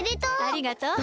ありがとう。